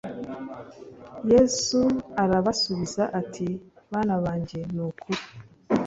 Yesu arabasubiza ati Bana banjye ni ukuri